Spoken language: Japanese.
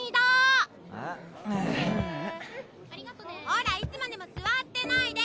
ほらいつまでも座ってないで！